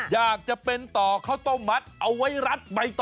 อยากจะเป็นต่อข้าวต้มมัดเอาไว้รัดใบต่อ